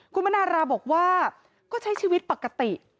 คุณมนาราบอกว่าก็ใช้ชีวิตปกติ